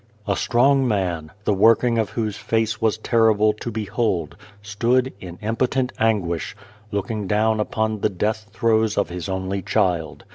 A strong man, the working of whose face was terrible to behold, stood, in impotent anguish, looking down upon the death throes of his only child.